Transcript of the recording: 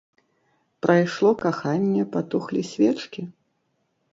Прайшло каханне, патухлі свечкі?